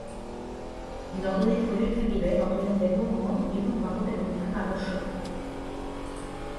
যতদিন শরীর থাকিবে, ততদিন দেহ, মন এবং বাহুতে বল থাকা আবশ্যক।